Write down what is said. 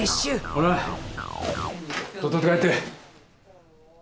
ほらとっとと帰って。